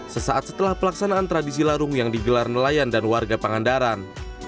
sesaat setelah pelaksanaan tradisi larung yang digelar nelayan dan warga pangandaran